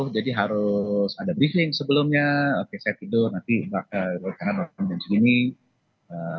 jadi harus ada briefing sebelumnya oke saya tidur nanti karena organise